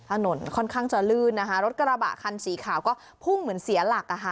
ถนนค่อนข้างจะลื่นนะคะรถกระบะคันสีขาวก็พุ่งเหมือนเสียหลักอ่ะค่ะ